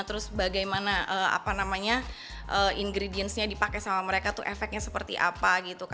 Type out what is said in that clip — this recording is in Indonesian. terus bagaimana ingredients nya dipakai sama mereka itu efeknya seperti apa